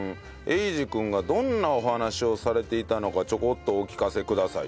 英二君がどんなお話をされていたのかちょこっとお聞かせくださいと。